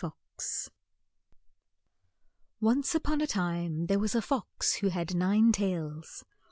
FOX ONCE on a time there was a fox who had nine tails.